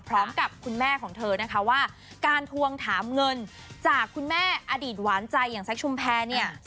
พร้อมกับคุณแม่ของเธอนะคะว่าการทวงถามเงินจากคุณแม่อดีตหวานใจอย่างแซคชุมแพรเนี่ย